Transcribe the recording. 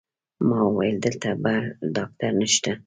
ما وویل: دلته بل ډاکټر نشته؟